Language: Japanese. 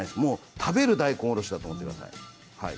食べる大根おろしだと思ってください。